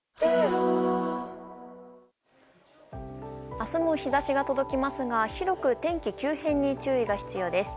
明日も日差しが届きますが広く天気急変に注意が必要です。